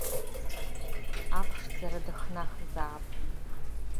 Аԥшӡара дыхнахзаап.